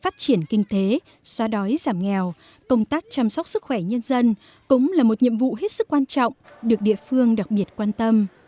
phát triển kinh tế xóa đói giảm nghèo công tác chăm sóc sức khỏe nhân dân cũng là một nhiệm vụ hết sức quan trọng được địa phương đặc biệt quan tâm